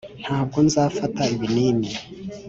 ntabwo nzafata ibinini.